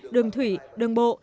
đường thủy đường bộ